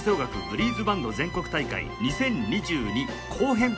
ブリーズバンド全国大会２０２２後編」